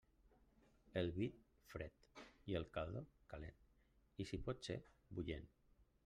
El vi fred i el caldo calent, i si pot ser, bullent.